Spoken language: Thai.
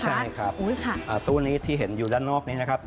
ใช่ครับตู้นี้ที่เห็นอยู่ด้านนอกนี้นะครับ